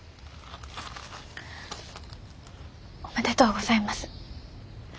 おめでとうございます。